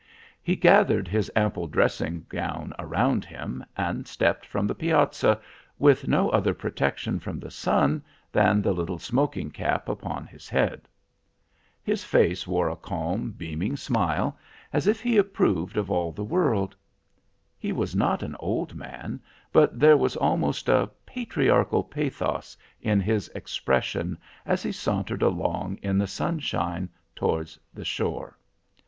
"He gathered his ample dressing gown about him, and stepped from the piazza with no other protection from the sun than the little smoking cap upon his head. His face wore a calm, beaming smile, as if he approved of all the world. He was not an old man, but there was almost a patriarchal pathos in his expression as he sauntered along in the sunshine towards the shore.